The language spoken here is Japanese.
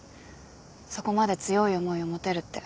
そこまで強い思いを持てるって。